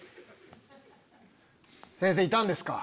先生いたんですか？